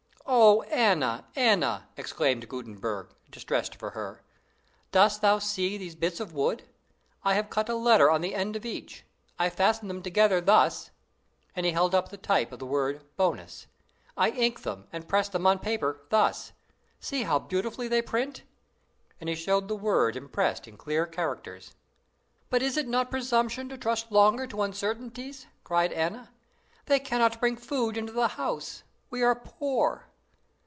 "O Anna! Anna!" exclaimed Gutenberg, distressed for her, "dost thou see these bits of wood? I have cut a letter on the end of each. I fasten them together thus;" and he held up the type of the word bonus. "I ink them, and press them on paper thus. See how beautifully they print;" and he showed the word impressed in clear characters. "But is it not presumption to trust longer to uncertainties?" cried Anna; "they cannot bring food into the house. We are poor."